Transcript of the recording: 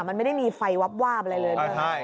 มันไม่ได้มีไฟวาบวาบอะไรเลยใช่